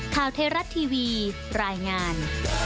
ข่าวเทราะทีวีรายงาน